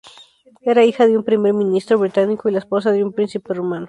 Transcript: Era hija de un primer ministro británico y la esposa de un príncipe rumano.